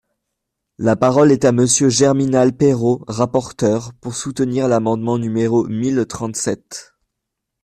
La parole est à Monsieur Germinal Peiro, rapporteur, pour soutenir l’amendement numéro mille trente-sept.